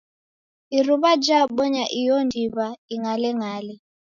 Iruw'a jabonya iyo ndiw'a ing'aleng'ale.